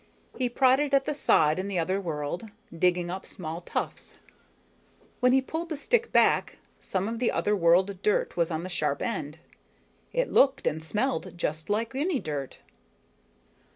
He prodded at the sod in the other world, digging up small tufts. When he pulled the stick back, some of the other world dirt was on the sharp end. It looked and smelled just about like any dirt.